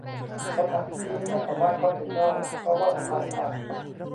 สถานที่นี้ไม่สามารถเข้าถึงได้เพราะว่าสะพานพัง